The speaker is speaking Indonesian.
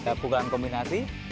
kita pukulan kombinasi